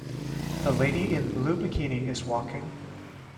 The lady in blue bikini is walking.